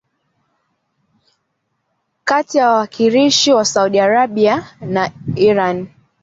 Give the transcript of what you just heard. kati ya wawakilishi wa Saudi Arabia na Iran